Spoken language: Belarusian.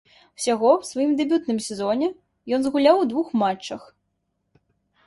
Усяго ў сваім дэбютным сезоне ён згуляў у двух матчах.